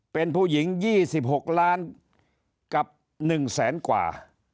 เป็นผู้หญิงยี่สิบหกล้านกับหนึ่งแสนกว่า